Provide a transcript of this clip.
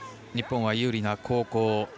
日本は有利な後攻。